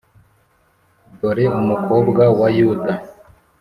dore mukobwa wa Yuda.